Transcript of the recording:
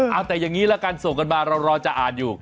เอาแต่อย่างนี้ละกันส่งกันมาเรารอจะอ่านอยู่